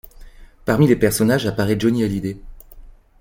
Parmi les personnages apparaît Johnny Hallyday.